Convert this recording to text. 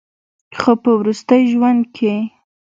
خو پۀ وروستي ژوند کښې